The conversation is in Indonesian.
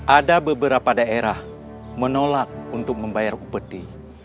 ada beberapa daerah menolak untuk membayar upeti